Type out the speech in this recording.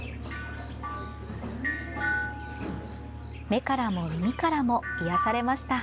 目からも耳からも癒やされました。